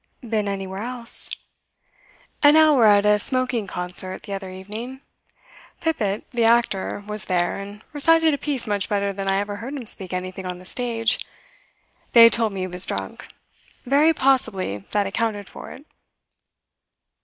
'Been anywhere else?' 'An hour at a smoking concert the other evening. Pippit, the actor, was there, and recited a piece much better than I ever heard him speak anything on the stage. They told me he was drunk; very possibly that accounted for it.